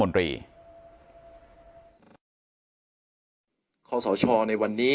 เพื่อยุดยั้งการสืบทอดอำนาจของขอสอชอต่อและยังพร้อมจะเป็นนายกรัฐมนตรี